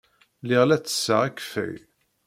Lliɣ la ttesseɣ akeffay.